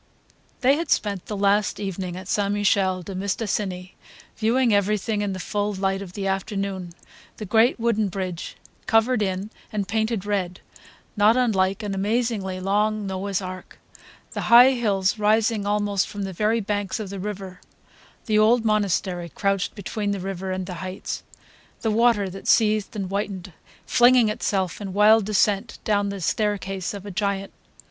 They had spent the last evening at St. Michel de Mistassini viewing everything in the full light of the afternoon: the great wooden bridge, covered in and painted red, not unlike an amazingly long Noah's ark; the high hills rising almost from the very banks of the river, the old monastery crouched between the river and the heights, the water that seethed and whitened, flinging itself in wild descent down the staircase of a giant.